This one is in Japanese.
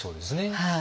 はい。